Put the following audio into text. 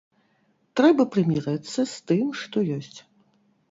Трэба прымірыцца з тым, што ёсць.